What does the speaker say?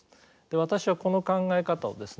私はこの考え方をですね